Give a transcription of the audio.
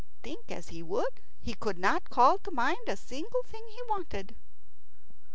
Think as he would, he could not call to mind a single thing he wanted.